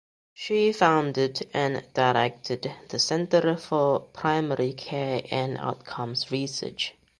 She founded and directed the Center for Primary Care and Outcomes Research.